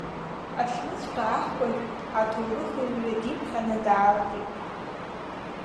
Аҽныҵәҟьа аҳкәажә аҭоурыхҩҩы диԥхьаны даалгеит.